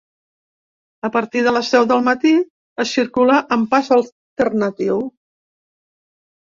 A partir de les deu del matí es circula amb pas alternatiu.